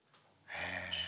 へえ。